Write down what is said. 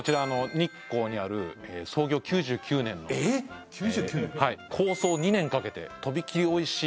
日光にある創業９９年のえっ９９年構想２年かけてとびきりおいしい